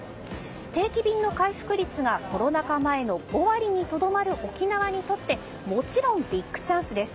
定期便の回復率がコロナ禍前の５割にとどまる沖縄にとって、もちろんビッグチャンスです。